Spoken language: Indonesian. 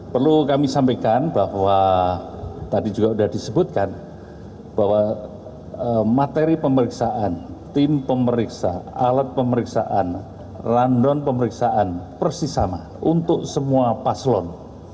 perlu kami sampaikan bahwa tadi juga sudah disebutkan bahwa materi pemeriksaan tim pemeriksa alat pemeriksaan rundown pemeriksaan persis sama untuk semua paslon